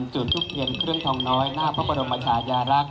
จุดทูปเทียนเครื่องทองน้อยหน้าพระบรมชายารักษ